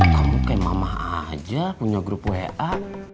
kamu kayak mama aja punya grup wa